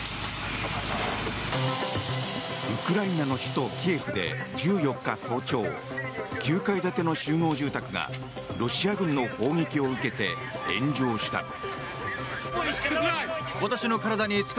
ウクライナの首都キエフで１４日早朝９階建ての集合住宅がロシア軍の砲撃を受けて炎上した。